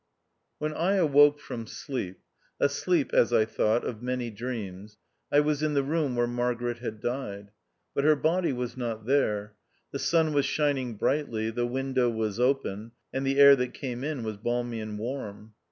When I awoke from sleep — a sleep, as I thought, of many dreams — I was in the room where Margaret had died. But her body was not there. The sun was shining brightly, the window was open, and the air that came in was balmy and warm.